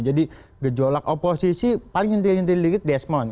jadi gejolak oposisi paling nyinti nyinti dikit desmond